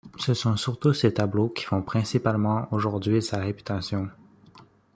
Ce sont surtout ces tableaux qui font principalement aujourd'hui sa réputation.